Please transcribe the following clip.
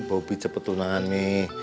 bau picep petunangan mi